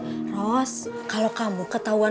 eros kalau kamu ketahuan